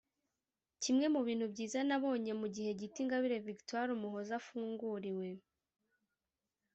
Kimwe mu bintu byiza nabonye mu gihe gito Ingabire Victoire Umuhoza afunguriwe